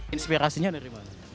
inspirasinya dari mana